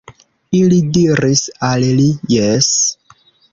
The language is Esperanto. Ili diris al li: Jes.